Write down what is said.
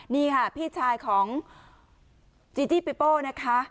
นี่ค่ะพี่ชายของจีปิปป้อล์นะคะ